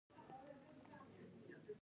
ځنګلونه د افغانستان په طبیعت کې مهم رول لري.